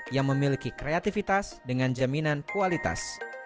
yang memiliki kreativitas dengan jaminan kualitas